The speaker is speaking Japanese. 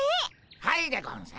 はいでゴンス。